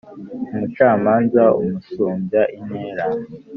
umucamanza umusumbya intera